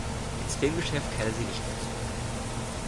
Ins Filmgeschäft kehrte sie nicht mehr zurück.